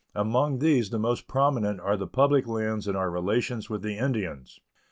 Among these the most prominent are the public lands and our relations with the Indians.